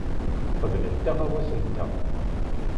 Qeblent aɣawas-nteɣ.